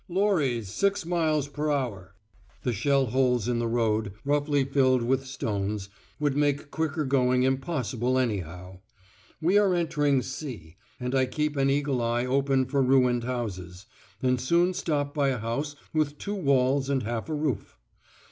"Lorries 6 miles per hour." The shell holes in the road, roughly filled with stones, would make quicker going impossible anyhow. We are entering C , and I keep an eagle eye open for ruined houses, and soon stop by a house with two walls and half a roof.